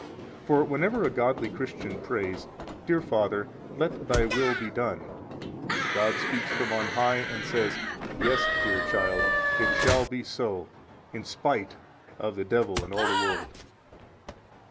32 For whenever a godly Christian prays: Dear Father, let Thy will be done, God speaks from on high and says: Yes, dear child, it shall be so, in spite of the devil and all the world.